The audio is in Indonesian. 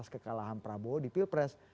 kekalahan prabowo di pilpres